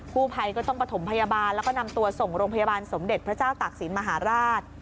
ผู้ภัยก็ต้องประถมพยาบาลแล้วก็นำตัวส่งโรงพยาบาลสมเด็จพระเจ้าตากศิลปมหาราช